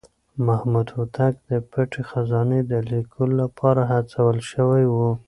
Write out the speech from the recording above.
محمد هوتک د پټې خزانې د ليکلو لپاره هڅول شوی و.